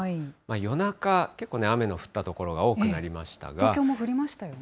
夜中、結構雨の降った所が多くな東京も降りましたよね。